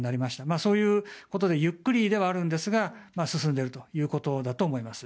そういうことでゆっくりではあるんですが進んでいるということだと思います。